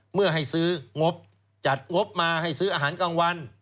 เมื่อให้ซื้องบจัดงบมาให้ซื้ออาหารกลางวัน